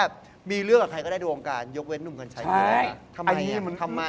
เชื่อมั้ยพี่น่ารู้จักคนมาเยอะเยอะ